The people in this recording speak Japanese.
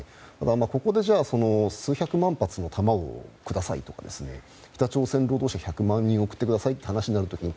ここで数百万発の弾をくださいとか北朝鮮労働者１００万人送ってくださいってなった時に